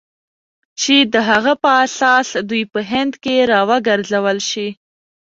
چې د هغه په اساس دوی په هند کې را وګرځول شي.